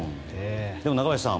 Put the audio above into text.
でも中林さん